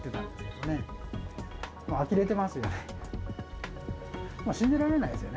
もうあきれてますよね。